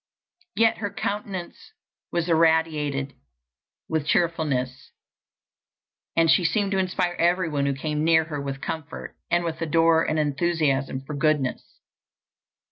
Yet her countenance was irradiated with cheerfulness, and she seemed to inspire everyone who came near her with comfort, and with ardor and enthusiasm for goodness.